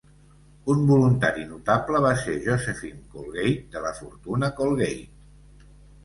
Un voluntari notable va ser Josephine Colgate de la fortuna Colgate.